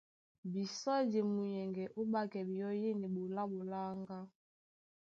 Bisɔ́ di e munyɛŋgɛ ó ɓákɛ binyɔ́ yên eɓoló á ɓoláŋgá.